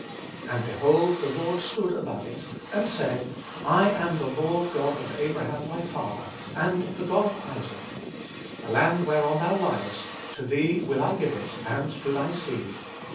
And behold the Lord stood above it, and said, I am the Lord God of Abraham thy father, and the God of Isaac: the land whereon thou liest, to thee will I give it, and to thy seed.